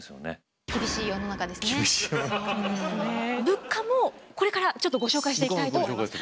物価もこれからちょっとご紹介していきたいと思います。